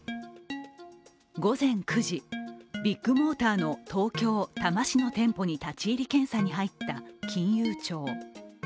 午前９時、ビッグモーターの東京・多摩市の店舗に立ち入り検査に入った金融庁。